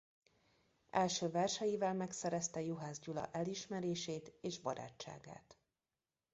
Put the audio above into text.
Első verseivel megszerezte Juhász Gyula elismerését és barátságát.